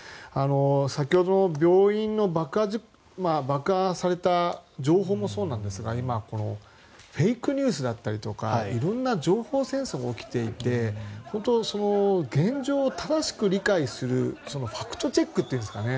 先ほど病院の爆破された情報もそうなんですが今フェイクニュースだったりとか色んな情報戦争が起きていて現状を正しく理解するファクトチェックというんですかね